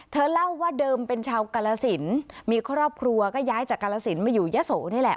เธอเล่าว่าเดิมเป็นชาวกาลสินมีครอบครัวก็ย้ายจากกาลสินมาอยู่ยะโสนี่แหละ